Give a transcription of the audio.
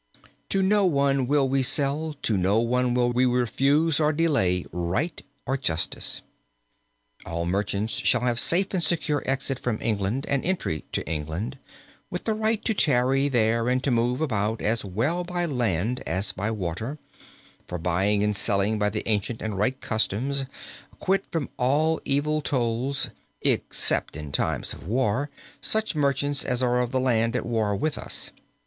"To no one will we sell, to no one will we refuse or delay, right or justice. "All merchants shall have safe and secure exit from England, and entry to England, with the right to tarry there and to move about as well by land as by water, for buying and selling by the ancient and right customs, quit from all evil tolls, except (in time of war) such merchants as are of the land at war with us.